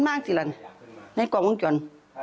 มานี่แหละนี้ในกองวงจร